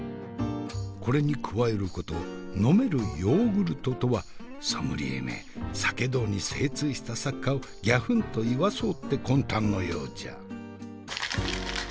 これに加えること飲めるヨーグルトとはソムリエめ酒道に精通した作家をギャフンと言わそうって魂胆のようじゃ。